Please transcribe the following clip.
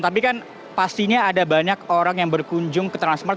tapi kan pastinya ada banyak orang yang berkunjung ke transmart